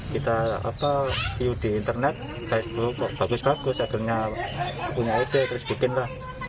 kita view di internet facebook kok bagus bagus akhirnya punya ide terus bikin lah